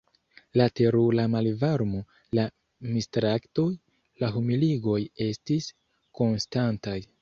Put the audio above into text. La terura malvarmo, la mistraktoj, la humiligoj estis konstantaj.